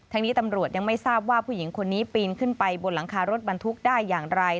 นี้ตำรวจยังไม่ทราบว่าผู้หญิงคนนี้ปีนขึ้นไปบนหลังคารถบรรทุกได้อย่างไร